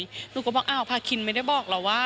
ลูกบอกว่าอ่าวภาคินไม่ได้บอกเราว่า